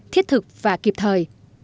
thiết thực và kịp thời